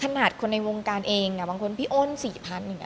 ขนาดคนในวงการเองบางคนพี่โอน๔๐๐อย่างนี้